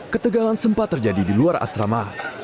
ketegangan sempat terjadi di luar asrama